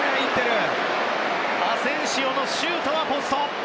アセンシオのシュートはポスト！